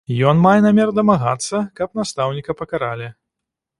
Ён мае намер дамагацца, каб настаўніка пакаралі.